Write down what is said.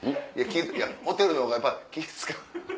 いやホテルのほうがやっぱ気使う。